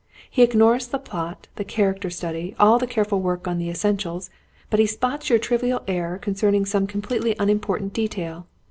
He ignores the plot, the character study, all the careful work on the essentials; but he spots your trivial error concerning some completely unimportant detail.